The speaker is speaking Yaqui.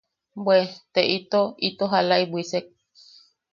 Bwe... te ito, ito jalaʼi bwisek.